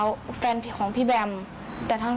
หนูรู้สึกผิดค่ะหนูยอมรักหนู